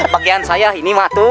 bagaian saya ini matu